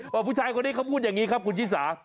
ผู้ชายคนนี้เขาพูดอย่างนี้ครับคุณชิสา